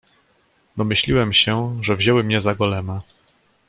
"Domyśliłem się, że wzięły mnie za Golema."